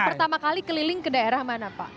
pertama kali keliling ke daerah mana pak